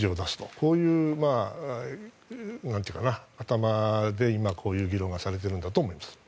こういう頭で、今こういう議論がされているんだと思います。